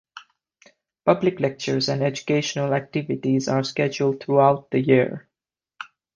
Public lectures and educational activities are scheduled throughout the year.